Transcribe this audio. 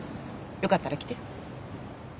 よかったら来て。